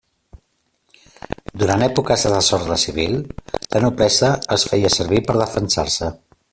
Durant èpoques de desordre civil, la noblesa els feia servir per defensar-se.